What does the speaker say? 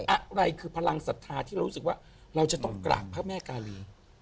อะไรคือพลังศรัทธาที่เรารู้สึกว่าเราจะต้องกราบพระแม่กาลี